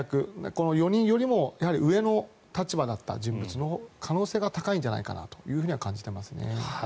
この４人よりも上の立場だった人物の可能性が高いんじゃないかとは感じています。